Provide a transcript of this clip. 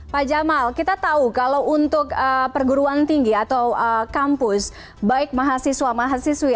pak jamal kita tahu kalau untuk perguruan tinggi atau kampus baik mahasiswa mahasiswi